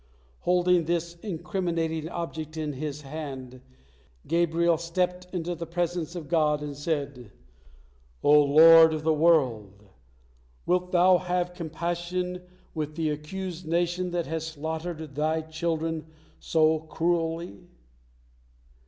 Holding this incriminating object in his had, Gabriel stepped into the presence of God, and said: "O Lord of the world! Wilt Thou have compassion with the accursed nation that has slaughtered Thy children so cruelly?"